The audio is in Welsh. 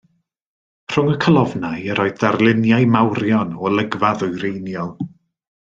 Rhwng y colofnau yr oedd darluniau mawrion o olygfa ddwyreiniol.